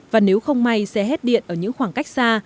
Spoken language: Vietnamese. và nếu không may xe hết điện ở những khoảng cách xa